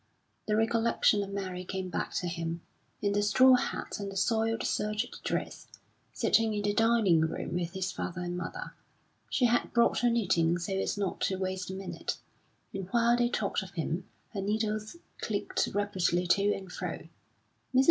The recollection of Mary came back to him, in the straw hat and the soiled serge dress, sitting in the dining room with his father and mother; she had brought her knitting so as not to waste a minute; and while they talked of him, her needles clicked rapidly to and fro. Mrs.